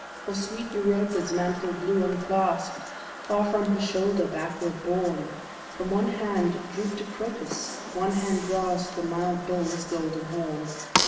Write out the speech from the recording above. Or sweet Europa's mantle blew unclasp'd, From off her shoulder backward borne: From one hand droop'd a crocus: one hand grasp'd The mild bull's golden horn.